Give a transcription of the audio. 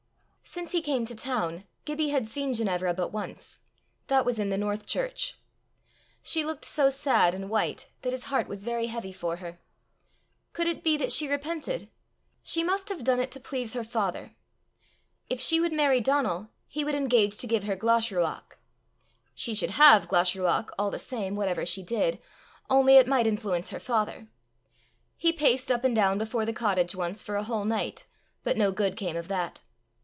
Since he came to town, Gibbie had seen Ginevra but once that was in the North church. She looked so sad and white that his heart was very heavy for her. Could it be that she repented? She must have done it to please her father! If she would marry Donal, he would engage to give her Glashruach. She should have Glashruach all the same whatever she did, only it might influence her father. He paced up and down before the cottage once for a whole night, but no good came of that.